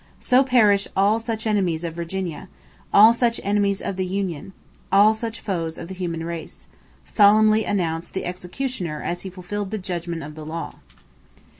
"So perish all such enemies of Virginia. All such enemies of the Union. All such foes of the human race," solemnly announced the executioner as he fulfilled the judgment of the law.